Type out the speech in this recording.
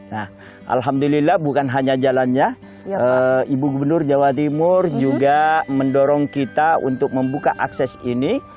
nah alhamdulillah bukan hanya jalannya ibu gubernur jawa timur juga mendorong kita untuk membuka akses ini